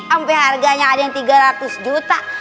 sampai harganya ada yang tiga ratus juta